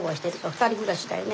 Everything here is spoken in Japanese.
２人暮らしだよね。